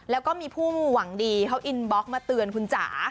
แล้วก็มีผู้หวังดีเขาอินบล็อกมาเตือนคุณจ๋า